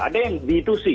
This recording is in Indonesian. ada yang b dua c